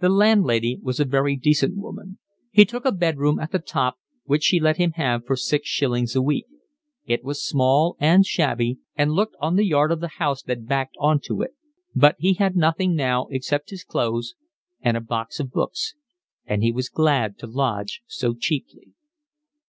The landlady was a very decent woman. He took a bed room at the top, which she let him have for six shillings a week; it was small and shabby and looked on the yard of the house that backed on to it, but he had nothing now except his clothes and a box of books, and he was glad to lodge so cheaply.